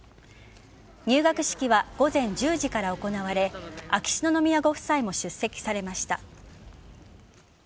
入学式は午前１０時から行われ秋篠宮ご夫妻も出席されました。